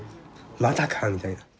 「またか」みたいな。